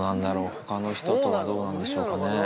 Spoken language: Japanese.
ほかの人とはどうなんでしょうかね。